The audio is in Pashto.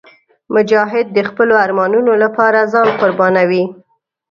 مجاهد د خپلو ارمانونو لپاره ځان قربانوي.